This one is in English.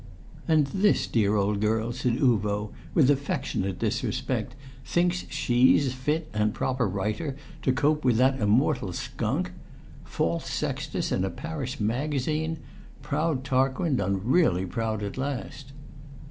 "And this dear old girl," said Uvo, with affectionate disrespect, "thinks she's a fit and proper writer to cope with that immortal skunk! False Sextus in a parish magazine! Proud Tarquin done really proud at last!"